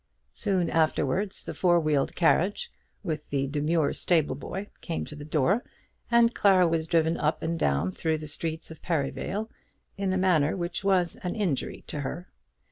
Soon afterwards, the four wheeled carriage, with the demure stable boy, came to the door, and Clara was driven up and down through the streets of Perivale in a manner which was an injury to her.